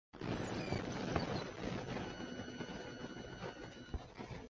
然而伊拉克与伊朗的矛盾以及什叶派穆斯林社群威胁着复兴党政权的稳定。